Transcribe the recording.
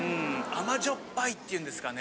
甘じょっぱいっていうんですかね。